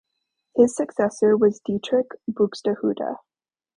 His successor was Dieterich Buxtehude.